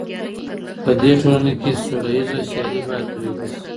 په دې ټولنه کي سوله ييزه سيالي بايد تجربه سي.